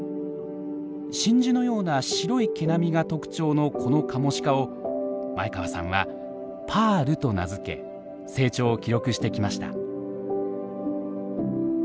真珠のような白い毛並みが特徴のこのカモシカを前川さんはパールと名付け成長を記録してきました。